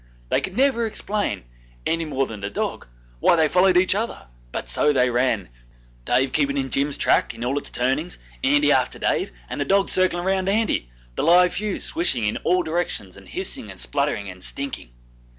They could never explain, any more than the dog, why they followed each other, but so they ran, Dave keeping in Jim's track in all its turnings, Andy after Dave, and the dog circling round Andy the live fuse swishing in all directions and hissing and spluttering and stinking.